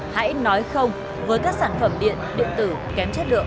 hãy nói không với các sản phẩm điện điện tử kém chất lượng